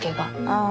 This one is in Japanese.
ああ。